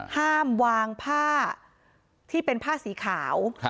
ห้ามวางผ้าที่เป็นผ้าสีขาว